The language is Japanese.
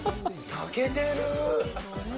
炊けてるー。